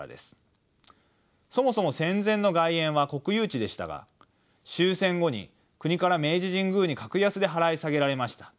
そもそも戦前の外苑は国有地でしたが終戦後に国から明治神宮に格安で払い下げられました。